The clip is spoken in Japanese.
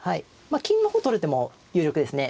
まあ金の方取る手も有力ですね。